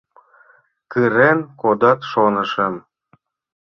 Кырен кодат, шонышым.